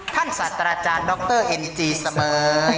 ท่านสัตราจารย์ด็อกเตอร์เอ็นจีสะเมย